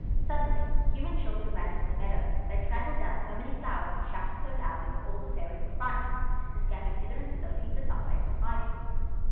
Suddenly human children ran into the meadow. They trampled down so many flowers and shouted so loudly that all the Fairies were frightened, and scampered hither and thither looking for some place to hide in.